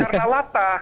iya karena latar